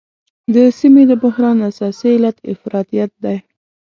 د سیمې د بحران اساسي علت افراطیت دی.